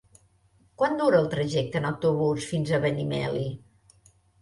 Quant dura el trajecte en autobús fins a Benimeli?